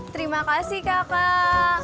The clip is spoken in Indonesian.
terima kasih kakak